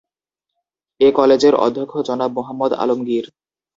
এ কলেজের অধ্যক্ষ জনাব মোহাম্মদ আলমগীর।